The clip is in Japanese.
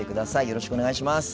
よろしくお願いします。